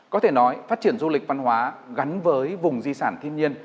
có thể nói phát triển du lịch văn hóa gắn với vùng di sản thiên nhiên